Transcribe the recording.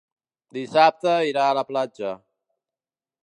Dissabte irà a la platja.